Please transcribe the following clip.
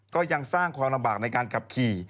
ก็ยังสร้างความลำบากในการขับขี่